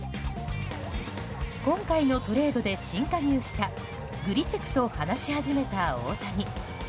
今回のトレードで新加入したグリチェクと話し始めた大谷。